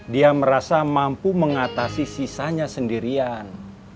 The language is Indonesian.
dia merasa mampu mengatasi sisanya sendirian